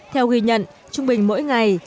theo ghi nhận trung bình mỗi ngày